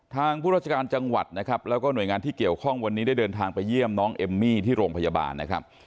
ผู้ราชการจังหวัดนะครับแล้วก็หน่วยงานที่เกี่ยวข้องวันนี้ได้เดินทางไปเยี่ยมน้องเอมมี่ที่โรงพยาบาลนะครับ